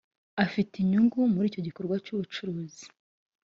afite inyungu muri icyo gikorwa cy ubucuruzi